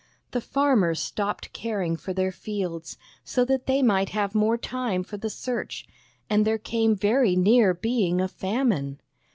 The farmers stopped caring for their fields, so that they might have more time for the search, and there came very near being a famine.